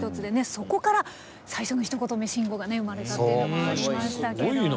そこから最初のひと言目「しんご」が生まれたっていうのもありましたけどね。